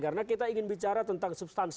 karena kita ingin bicara tentang substansi